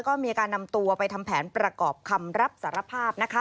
ก็มีการนำตัวไปทำแผนประกอบคำรับสารภาพนะคะ